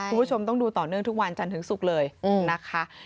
คุณผู้ชมต้องดูต่อเนื่องทุกวันจันทร์ถึงศุกร์เลยนะคะ